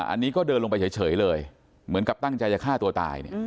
อันนี้ก็เดินลงไปเฉยเลยเหมือนกับตั้งใจจะฆ่าตัวตาย